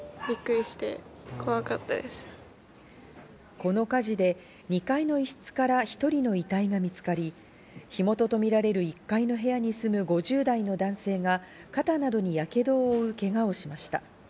この火事で２階の一室から１人の遺体が見つかり、火元とみられる１階の部屋に住む５０代の男性が肩などに火傷を負うけがをしました。